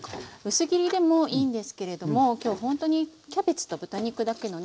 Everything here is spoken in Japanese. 薄切りでもいいんですけれども今日ほんとにキャベツと豚肉だけのね